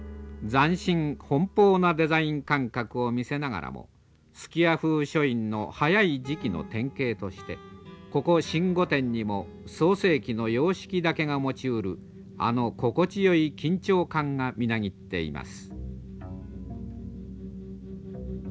斬新奔放なデザイン感覚を見せながらも数寄屋風書院の早い時期の典型としてここ新御殿にも創成期の様式だけが持ちうるあの心地よい緊張感がみなぎっています。